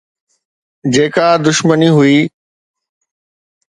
جيڪا دشمني هئي